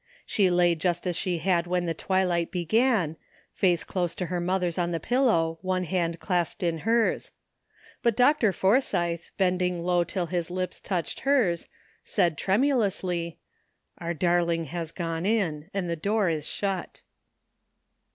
She lay just as she had when the twilight began ; face close to her mother's on the pillow, one hand clasped in hers. But Dr. Forsythe, bending low till his lips touched hers, said tremulously, "Our dar ling has gone in, and the door is shut."